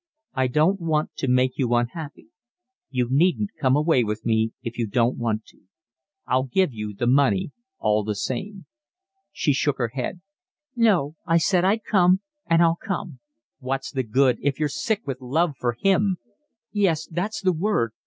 "I don't want to make you unhappy. You needn't come away with me if you don't want to. I'll give you the money all the same." She shook her head. "No, I said I'd come, and I'll come." "What's the good, if you're sick with love for him?" "Yes, that's the word.